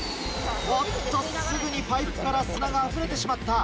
おっとすぐにパイプから砂があふれてしまった。